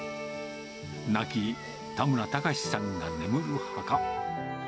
亡き田村隆さんが眠る墓。